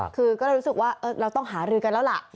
คือก็เลยรู้สึกว่าเราต้องหารือกันแล้วล่ะ